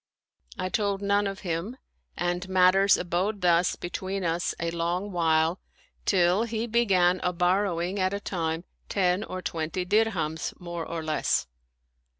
I told none of him, and matters abode thus between us a long while till he began a borrowing at a time ten or twenty dirhams, more or less.